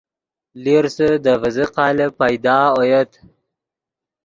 لیرسے دے ڤیزے قالب پیدا اویت